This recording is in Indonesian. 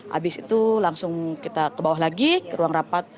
habis itu langsung kita ke bawah lagi ke ruang rapat